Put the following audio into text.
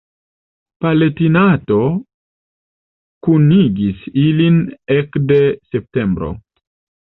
Palatinato kunigis ilin ekde septembro.